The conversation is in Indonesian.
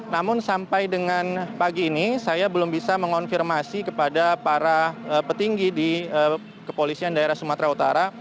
namun sampai dengan pagi ini saya belum bisa mengonfirmasi kepada para petinggi di kepolisian daerah sumatera utara